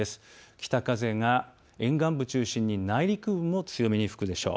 北風が沿岸部を中心に内陸部も強めに吹くでしょう。